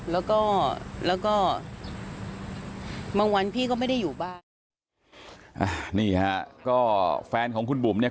แล้วก็แล้วก็บางวันพี่ก็ไม่ได้อยู่บ้านอ่านี่ฮะก็แฟนของคุณบุ๋มเนี่ย